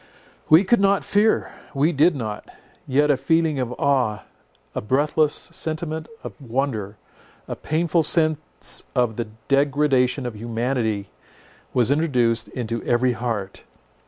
We could not fear—we did not. Yet a feeling of awe, a breathless sentiment of wonder, a painful sense of the degradation of humanity, was introduced into every heart.